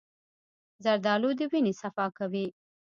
زردالو د وینې صفا کوي.